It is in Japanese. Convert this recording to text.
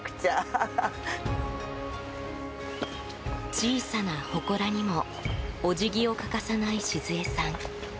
小さな、ほこらにもお辞儀を欠かさない静恵さん。